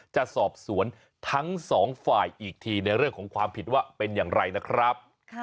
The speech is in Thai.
จะสอบสวนทั้งสองฝ่ายอีกทีในเรื่องของความผิดว่าเป็นอย่างไรนะครับ